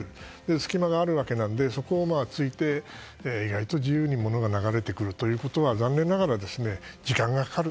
隙間があるわけなのでそこを突いて、意外と自由に物が流れていくということは残念ながら時間がかかる。